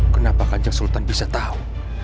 kenapa kanjeng sultan bisa tahu